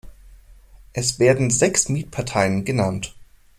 Es werden sechs Mietparteien genannt.